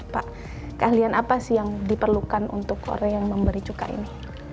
pak keahlian apa sih yang diperlukan untuk orang yang memberi cuka ini